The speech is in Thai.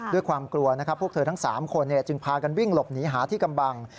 ด้วยความกลัวนะครับพวกเธอทั้ง๓คนจึงพากันวิ่งหลบหนีหาที่กำบัง